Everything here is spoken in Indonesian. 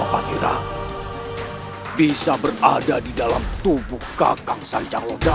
ncoba patirake bisa berada di dalam tubuh kakang sancaglodaya